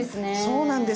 そうなんです。